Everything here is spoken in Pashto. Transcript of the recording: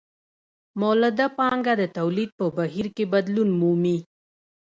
مولده پانګه د تولید په بهیر کې بدلون مومي